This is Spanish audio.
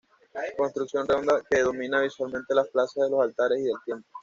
Construcción redonda que domina visualmente las plazas de los Altares y del Tiempo.